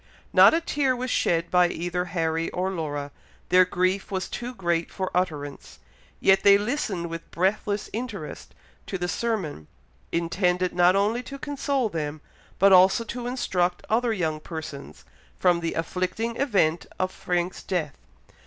Not a tear was shed by either Harry or Laura, their grief was too great for utterance; yet they listened with breathless interest to the sermon, intended not only to console them, but also to instruct other young persons, from the afflicting event of Frank's death.